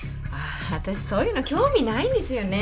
私そういうの興味ないんですよね。